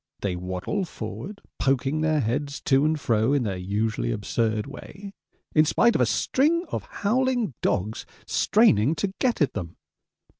They waddle forward, poking their heads to and fro in their usually absurd way, in spite of a string of howling dogs straining to get at them.